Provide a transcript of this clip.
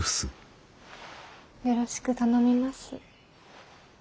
よろしく頼みます。